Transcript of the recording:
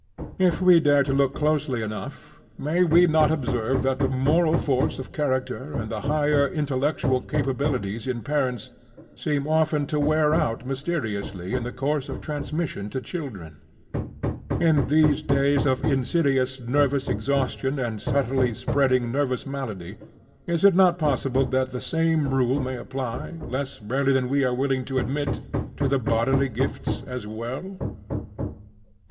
If we dare to look closely enough, may we not observe that the moral force of character and the higher intellectual capacities in parents seem often to wear out mysteriously in the course of transmission to children? In these days of insidious nervous exhaustion and subtly spreading nervous malady, is it not possible that the same rule may apply, less rarely than we are willing to admit, to the bodily gifts as well?